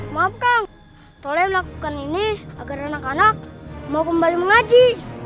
maafkan toleh melakukan ini agar anak anak mau kembali mengaji